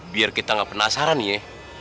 biar kita gak penasaran ye